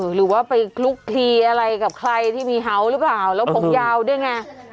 หรือว่าไปคลุกคลีอะไรกับใครที่มีเฮาส์หรือเปล่าแล้วผมยาวด้วยไง